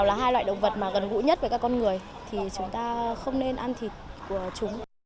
là hai loại động vật mà gần gũi nhất với các con người thì chúng ta không nên ăn thịt của chúng